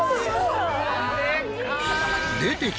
すごい！